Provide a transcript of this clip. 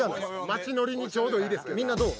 街乗りにちょうどいいですけどみんなどう？